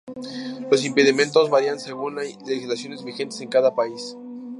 Los impedimentos varían según la legislaciones vigentes en cada país.